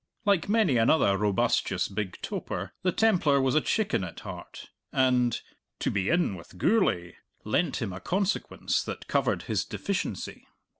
Like many another robustious big toper, the Templar was a chicken at heart, and "to be in with Gourlay" lent him a consequence that covered his deficiency.